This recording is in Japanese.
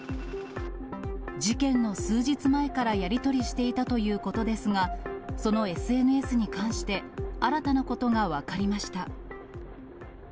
事件の数日前からやり取りしていたということですが、そのＳＮＳに関して、新たなことが分かりました。